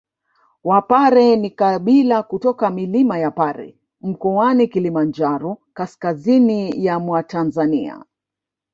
Wapare ni kabila kutoka milima ya Pare Mkoani Kilimanjaro kaskazini ya mwa Tanzania